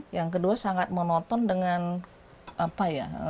yang kedua sangat monoton dengan apa ya